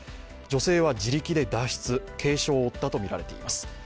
女性は自力で脱出、軽傷を負ったとみられています。